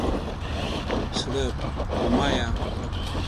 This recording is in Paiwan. selep: pumaya